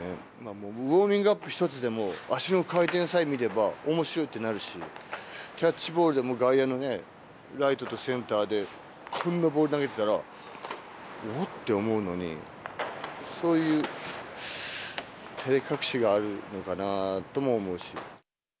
もう、ウォーミングアップ一つでも、足の回転さえ見れば、おもしろいってなるし、キャッチボールでも外野のね、ライトとセンターで、こんなボール投げてたら、おっと思うのに、そういう、てれ隠しがあるのかなぁとも思うし。